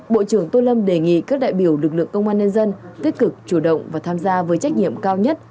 bộ trưởng tô lâm đề nghị các đại biểu lực lượng công an nhân dân tích cực chủ động và tham gia với trách nhiệm cao nhất